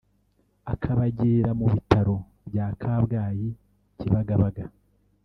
akabagira mu bitaro bya Kabwayi Kibagabaga